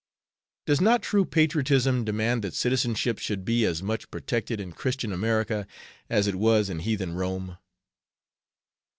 Does not true patriotism demand that citizenship should be as much protected in Christian America as it was in heathen Rome?"